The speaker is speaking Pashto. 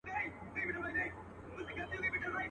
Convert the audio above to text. دوه شاهان په یوه ملک کي نه ځاییږي.